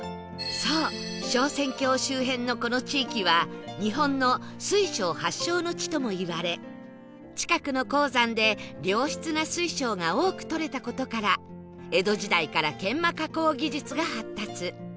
そう昇仙峡周辺のこの地域は日本の水晶発祥の地ともいわれ近くの鉱山で良質な水晶が多く採れた事から江戸時代から研磨加工技術が発達